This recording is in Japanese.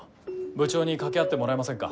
部長に掛け合ってもらえませんか？